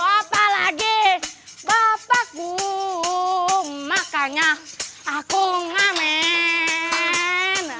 apalagi bapakku makanya aku ngamen